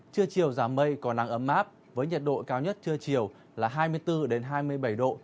trưa chiều giảm mây còn nắng ấm áp với nhiệt độ cao nhất trưa chiều là hai mươi bốn hai mươi bảy độ